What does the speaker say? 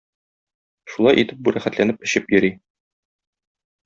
Шулай итеп бу рәхәтләнеп эчеп йөри.